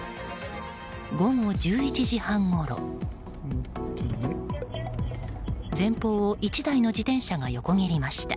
午後１１時半ごろ前方を１台の自転車が横切りました。